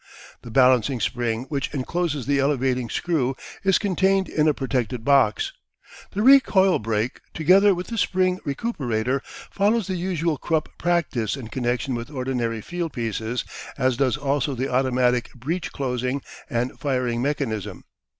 The balancing spring which encloses the elevating screw is contained in a protected box. The recoil brake, together with the spring recuperator, follows the usual Krupp practice in connection with ordinary field pieces, as does also the automatic breech closing and firing mechanism.